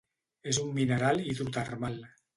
És un mineral hidrotermal.